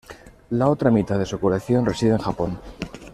La otra mitad de su colección reside en Japón.